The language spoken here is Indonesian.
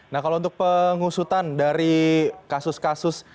nah kalau untuk pengusutan dari kasus kasus